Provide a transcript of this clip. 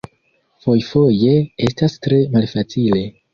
Fojfoje estas tre malfacile.